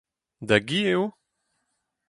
Da gi eo ?